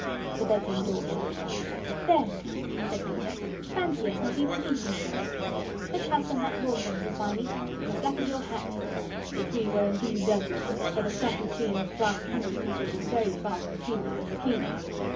The bedroom door shut again. "There now!" said Peter; "fancy us not even thinking of that! Let's have some hot water, Mrs. Viney. I'm as black as your hat." The three were indeed dirty, for the stuff you clean brass candlesticks with is very far from cleaning to the cleaner.